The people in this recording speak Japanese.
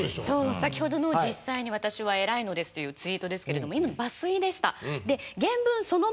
先ほどの「実際に私は偉いのです」というツイートですけれども今の抜粋でした。